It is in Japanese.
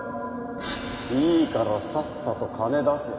いいからさっさと金出せよ。